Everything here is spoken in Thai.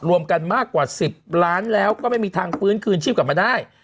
รวมกันมากกว่า๑๐ล้านแล้วก็ไม่มีทางฟื้นคืนชีพกลับมาได้